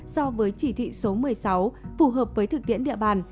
so với chỉ thị số một mươi sáu phù hợp với thực tiễn địa bàn